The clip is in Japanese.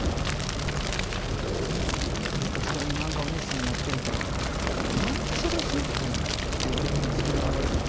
たまに漫画を熱心にやってると「何でそれをしなきゃいけないの？」って言われた時に自分で考えるんですよ。